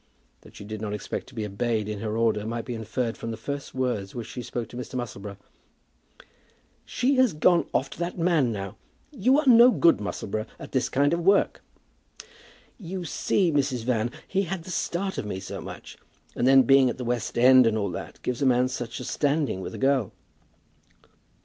That she did not expect to be obeyed in her order may be inferred from the first words which she spoke to Mr. Musselboro. "She has gone off to that man now. You are no good, Musselboro, at this kind of work." "You see, Mrs. Van, he had the start of me so much. And then being at the West End, and all that, gives a man such a standing with a girl!"